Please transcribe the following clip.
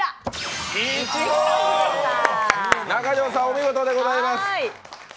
中条さん、お見事でございます。